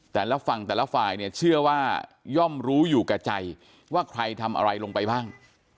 แต่ละฝั่งแต่ละฝ่ายเนี่ยเชื่อว่าย่อมรู้อยู่แก่ใจว่าใครทำอะไรลงไปบ้าง